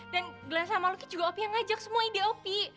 dan gelas sama loki juga opi yang ngajak semua ide opi